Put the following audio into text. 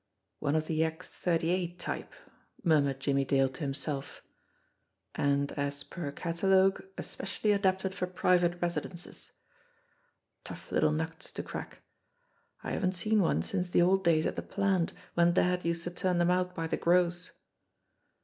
"One of the X 38 type," murmured Jimmie Dale to himself ; "and, as per catalogue, especially adapted for pri vate residences. Tough little nuts to crack ! I haven't seen one since the old days at the plant when dad used to turn them out by the gross